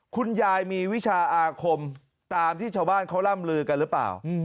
คุณยายมีวิชาอาคมตามที่ชาวบ้านเขาร่ำลือกันหรือเปล่า